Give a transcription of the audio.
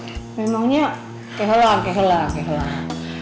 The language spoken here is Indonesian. memangnya kehelar kehelar kehelar